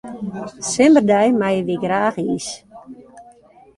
Simmerdei meie wy graach iis.